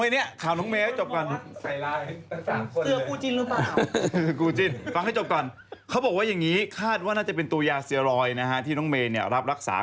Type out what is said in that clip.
เรื่องสำคัญอันนี้กัญชายนมเธอเป็นเต้าเลยนะ